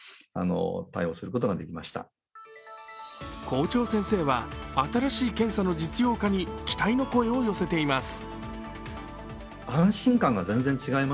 校長先生は新しい検査の実用化に期待の声を寄せています。